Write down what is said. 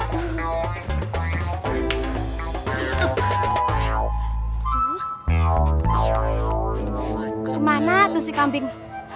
kemana tuh si kambing